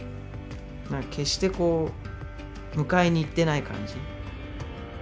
なんか決してこう迎えに行ってない感じ。